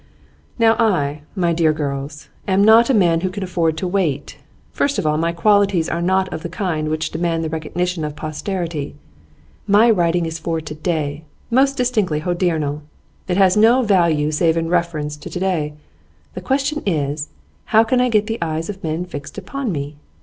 'Now I, my dear girls, am not a man who can afford to wait. First of all, my qualities are not of the kind which demand the recognition of posterity. My writing is for to day, most distinctly hodiernal. It has no value save in reference to to day. The question is: How can I get the eyes of men fixed upon me?